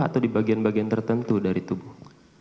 atau di bagian bagian tertentu dari tubuh